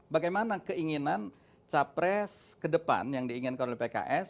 bagaimana keinginan capres ke depan yang diinginkan oleh pks